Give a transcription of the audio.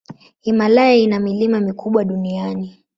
Himalaya ina milima mikubwa duniani.